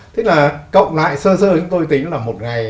thế là cộng lại sơ dơ chúng tôi tính là một ngày